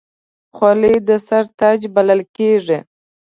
خولۍ د سر تاج بلل کېږي.